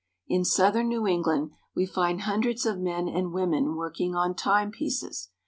In southern New England we find hundreds of men and women working on timepieces.